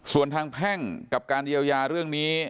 ส่วนทางแพ่งกับการเยียวยาเรื่องนี้